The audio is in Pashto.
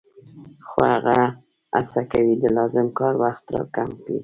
خو هغه هڅه کوي د لازم کار وخت را کم کړي